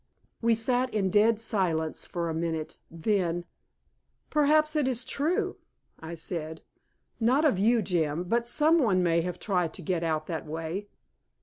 '" We sat in dead silence for a minute. Then: "Perhaps it is true," I said. "Not of you, Jim but some one may have tried to get out that way.